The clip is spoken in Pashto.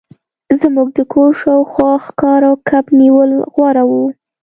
زموږ د کور شاوخوا ښکار او کب نیول غوره وو